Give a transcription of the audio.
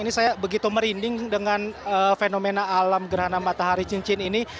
ini saya begitu merinding dengan fenomena alam gerhana matahari cincin ini